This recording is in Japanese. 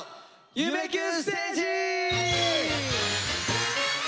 「夢キュンステージ」！